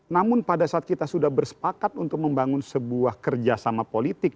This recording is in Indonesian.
namun pada saat kita sudah bersepakat untuk membangun sebuah kerjasama politik